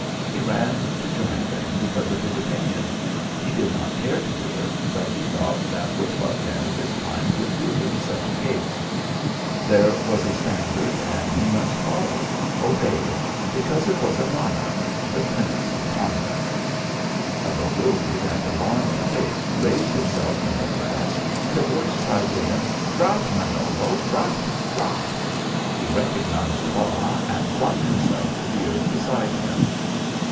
He ran to join them because of his opinion. He did not care to do it, but he thought that was what men of his kind would do in such a case. There was a standard and he must follow it, obey it, because it was a monarch, the Prince of Conduct. A bewildered and alarmed face raised itself from the grass and a voice cried to him: "Drop, Manolo! Drop! Drop!" He recognised Bas and flung himself to the earth beside him.